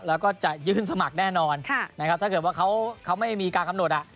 แล้วก็จะยื่นสมัครแน่นอนนะครับถ้าเกิดว่าเขาไม่มีการกำหนดอ่ะ